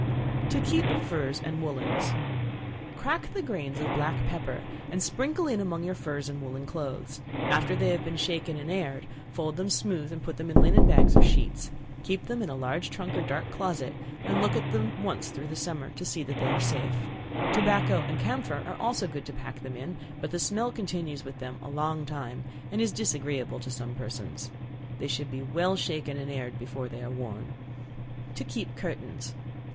To Keep Furs and Woollens. Crack the grains of black pepper, and sprinkle in among your furs and woollen clothes; after they have been shaken and aired, fold them smooth and put them in linen bags or sheets; keep them in a large trunk or dark closet, and look at them once through the summer to see that they are safe. Tobacco and camphor are also good to pack them in, but the smell continues with them a long time, and is disagreeable to some persons. They should be well shaken and aired before they are worn. To Keep Curtains.